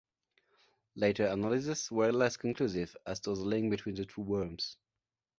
Later analyses were less conclusive as to the link between the two worms.